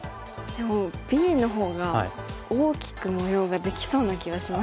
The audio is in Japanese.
でもＢのほうが大きく模様ができそうな気がしますよね。